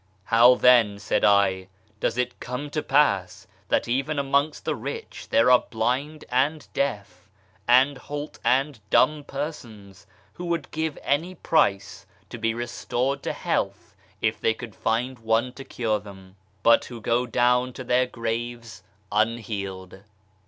" How, then," said I, " does it come to pass tliat even amongst the rich there are blind and deaf and halt and dumb persons, who would give any price to be restored to health if they could find one to cure them, but who go down to their graves unhealed